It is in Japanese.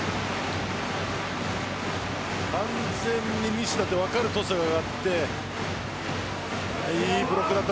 完全に西田と分かるトスが上がっていいブロックでした。